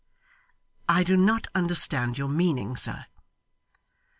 'I do not understand your meaning, sir.